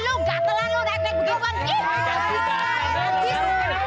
hebat banget lu banget lu gua mau tahu diri